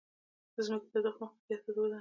د ځمکې تودوخه مخ په زیاتیدو ده